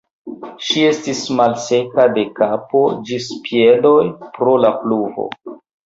Ŝi estis malseka de kapo ĝis piedoj pro la pluvo.